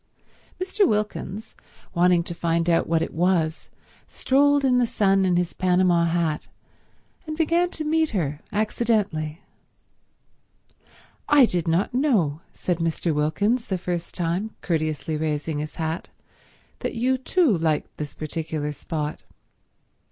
Mr. Wilkins, wanting to find out what it was, strolled in the sun in his Panama hat, and began to meet her accidentally. "I did not know," said Mr. Wilkins the first time, courteously raising his hat, "that you too liked this particular spot."